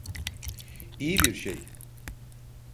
İyi bir şey.